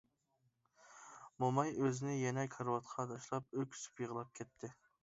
موماي ئۆزىنى يەنە كارىۋاتقا تاشلاپ ئۆكسۈپ يىغلاپ كەتتى.